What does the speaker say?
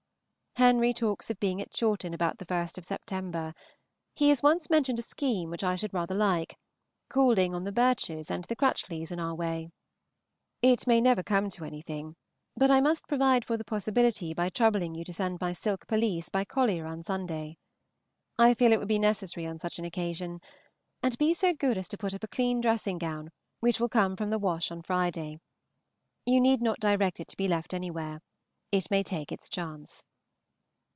Henry talks of being at Chawton about the 1st of Sept. He has once mentioned a scheme which I should rather like, calling on the Birches and the Crutchleys in our way. It may never come to anything, but I must provide for the possibility by troubling you to send up my silk pelisse by Collier on Saturday. I feel it would be necessary on such an occasion; and be so good as to put up a clean dressing gown which will come from the wash on Friday. You need not direct it to be left anywhere. It may take its chance.